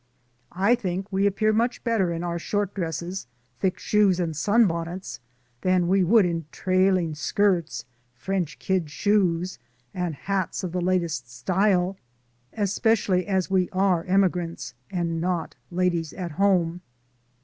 "I think we appear much better in our short dresses, thick shoes, and sun bonnets than we would in trailing skirts, French kid shoes, and hats of the latest style, especially as we are emigrants, and not ladies at home.